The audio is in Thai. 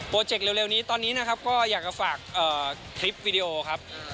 เจกต์เร็วนี้ตอนนี้นะครับก็อยากจะฝากคลิปวีดีโอครับ